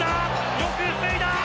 よく防いだ！